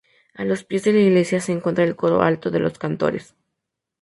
A los pies de la iglesia se encuentra el Coro Alto de los Cantores.